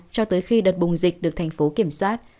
cho tới khi đợt bùng dịch được thành phố kiểm soát